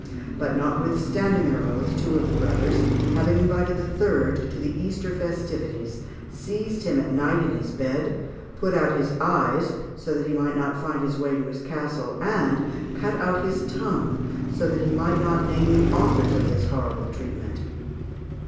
But, notwithstanding their oath, two of the brothers, having invited the third to the Easter festivities, seized him at night in his bed, put out his eyes so that he might not find the way to his castle, and cut out his tongue so that he might not name the authors of this horrible treatment.